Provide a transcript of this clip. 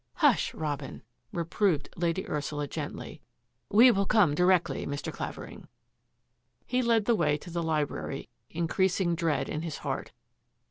" Hush, Robin !" reproved Lady Ursula gently. " We will come directly, Mr. Clavering." He led the way to the library, increasing dread in his heart.